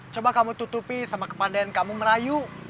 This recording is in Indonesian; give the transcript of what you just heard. coba kamu tutupi sama kepandaian kamu merayu